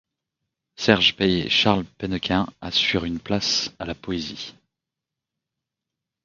Serge Pey et Charles Pennequin assurent une place à la poésie.